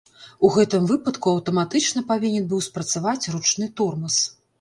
У гэтым выпадку аўтаматычна павінен быў спрацаваць ручны тормаз.